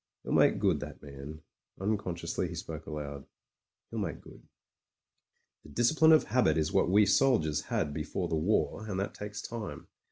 "He'll make good that man." Unconsciously he spoke aloud. "He'll make good." The discipline of habit is what we soldiers had be fore the war, and that takes time.